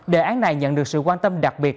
đề án này nhận được sự quan tâm đặc biệt